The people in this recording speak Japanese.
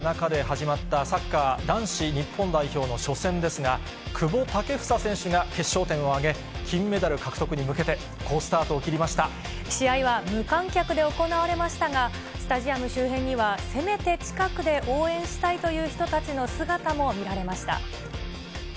開催が危ぶまれた中で、始まったサッカー男子日本代表の初戦ですが、久保建英選手が決勝点を挙げ、金メダル獲得に向けて、好スター試合は無観客で行われましたが、スタジアム周辺にはせめて近くで応援したいという人たちの姿も見られました。